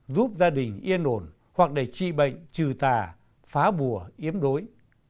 giúp gia đình yên ổn hoặc để trị bệnh trừ tà phá bùa yếm đối